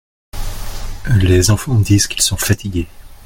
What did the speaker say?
Les enfants disent qu’ils sont fatigués.